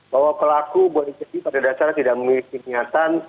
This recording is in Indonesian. bahwa pelaku boleh jadi pada dasarnya tidak memiliki niatan